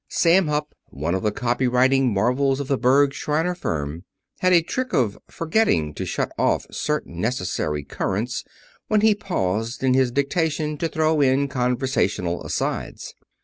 Sam Hupp, one of the copy writing marvels of the Berg, Shriner firm, had a trick of forgetting to shut off certain necessary currents when he paused in his dictation to throw in conversational asides.